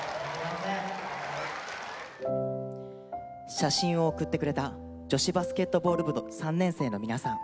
写真を送ってくれた女子バスケットボール部の３年生の皆さん。